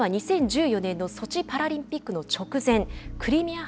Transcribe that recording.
２回目は２０１４年のソチパラリンピックの直前。